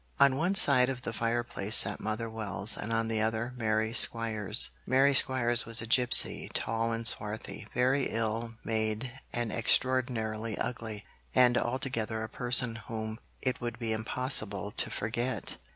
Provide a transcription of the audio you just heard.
On one side of the fireplace sat Mother Wells, and on the other Mary Squires. Mary Squires was a gipsy, tall and swarthy, very ill made and extraordinarily ugly, and altogether a person whom it would be impossible to forget.